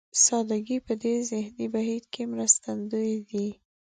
سادهګي په دې ذهني بهير کې مرستندوی دی.